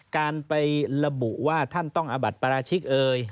การไประบุว่าท่านต้องเอาบัตรปราชิกเอ่ย